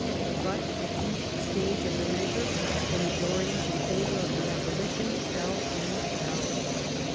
But at each stage of the measure the majorities in favor of the abolition fell and fell.